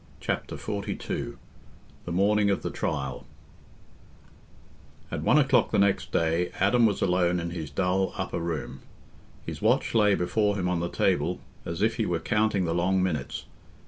Chapter XLII The Morning of the Trial At one o'clock the next day, Adam was alone in his dull upper room; his watch lay before him on the table, as if he were counting the long minutes.